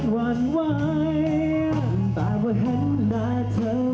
หายใจหายไปในห่วงหน้าที่นี้